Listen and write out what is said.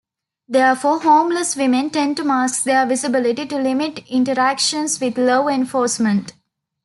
Therefore, homeless women tend to mask their visibility to limit interactions with law enforcement.